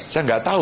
saya nggak tahu